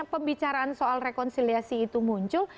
pembicaraan soal rekonsiliasi itu muncul